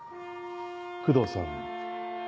工藤さん。